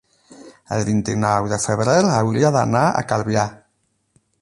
El vint-i-nou de febrer hauria d'anar a Calvià.